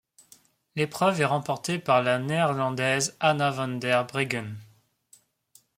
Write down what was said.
L'épreuve est remportée par la Néerlandaise Anna van der Breggen.